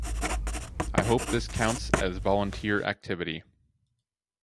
I hope this counts as volunteer activity.